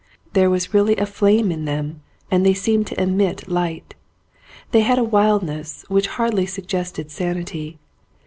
There was really a flame in them and they seemed to emit light. They had a wildness which hardly sug gested sanity.